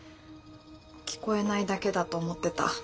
聞こえないだけだと思ってた。